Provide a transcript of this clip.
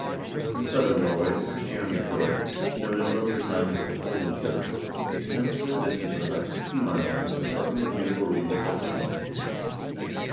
In southern Norway the Christianiafjord, known in earlier times as the Foldenfjord, extends for a distance of about sixty miles into a fertile and beautiful region called Viken.